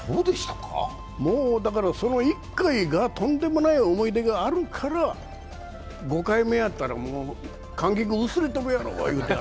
もうだからその１回がとんでもない思い出があるから５回目やったら、感激薄れとるやろって。